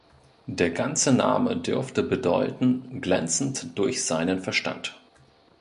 Der ganze Name dürfte bedeuten: Glänzend durch seinen Verstand.